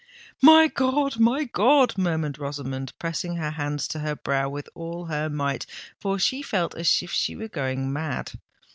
"My God! my God!" murmured Rosamond, pressing her hands to her brow with all her might—for she felt as if she were going mad.